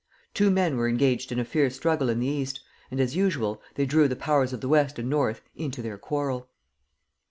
Two men were engaged in a fierce struggle in the East, and, as usual, they drew the Powers of the West and North into their quarrel.